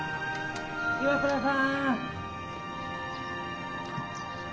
・岩倉さん。